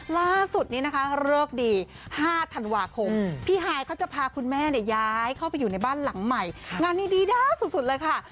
ล่าสุดนี้นะคะเลิกดี๕ธันวาคมพี่ฮายเขาจะพาคุณแม่เนี่ยย้ายเข้าไปอยู่ในบ้านหลังใหม่งานดีด้านสุดเลยค่ะ